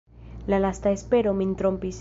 la lasta espero min trompis.